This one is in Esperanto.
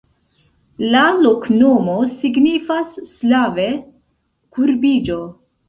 La loknomo signifas slave: kurbiĝo.